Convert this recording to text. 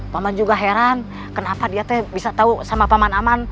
paman juga heran kenapa dia tuh bisa tahu sama paman aman